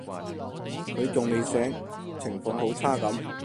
佢仲未醒，情況好差噉